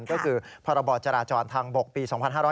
ก็คือพรบจราจรทางบกปี๒๕๕๙